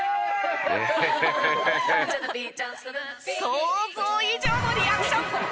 想像以上のリアクション！